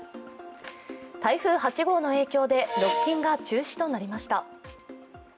台風８号の影響でロッキンが中止となりました。